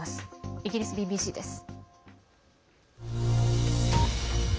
イギリスＢＢＣです。